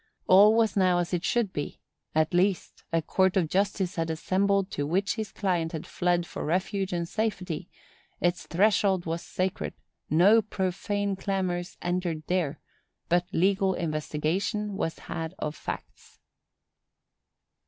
All was now as it should be; at least, a court of justice had assembled to which his client had fled for refuge and safety; its threshold was sacred; no profane clamors entered there; but legal investigation was had of facts."